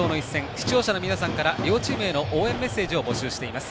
視聴者の皆さんから両チームへの応援メッセージを募集しています。